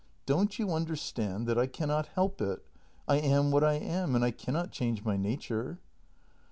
] Don't you un derstand that I cannot help it ? I am what I am, and I cannot change my nature!